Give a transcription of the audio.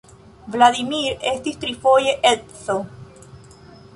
Vladimir estis trifoje edzo.